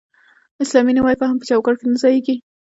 اسلامي نوی فهم په چوکاټ کې نه ځایېږي.